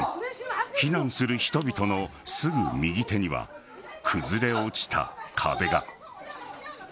避難する人々のすぐ右手には崩れ落ちた壁が。